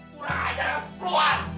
kurang ajar keluar